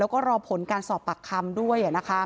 แล้วก็รอผลการสอบปากคำด้วย